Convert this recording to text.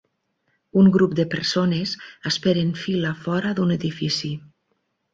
Un grup de persones espera en fila fora d'un edifici.